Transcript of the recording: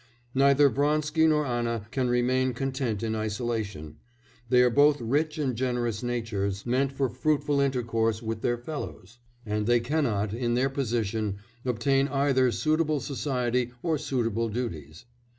Neither Vronsky nor Anna can remain content in isolation; they are both rich and generous natures, meant for fruitful intercourse with their fellows, and they cannot, in their position, obtain either suitable society or suitable duties.